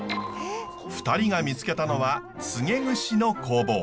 ２人が見つけたのはつげ櫛の工房。